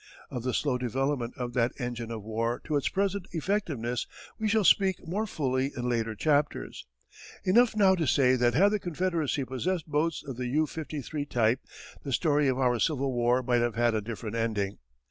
Of the slow development of that engine of war to its present effectiveness we shall speak more fully in later chapters. Enough now to say that had the Confederacy possessed boats of the U 53 type the story of our Civil War might have had a different ending.